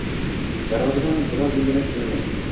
Darvozadan biror begona kirmagan